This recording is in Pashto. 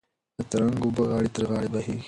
د ترنګ اوبه غاړه تر غاړې بهېږي.